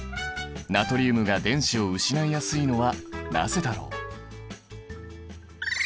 ナトリウムが電子を失いやすいのはなぜだろう？